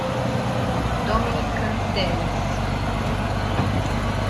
Dominique Dawes